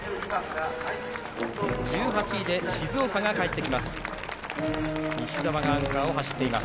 １８位で静岡が帰ってきます。